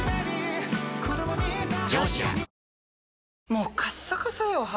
もうカッサカサよ肌。